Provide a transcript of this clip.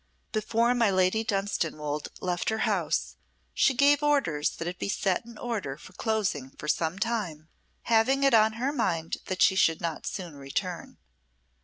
Before my Lady Dunstanwolde left her house she gave orders that it be set in order for closing for some time, having it on her mind that she should not soon return.